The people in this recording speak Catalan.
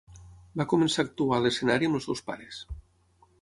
Va començar a actuar a l'escenari amb els seus pares.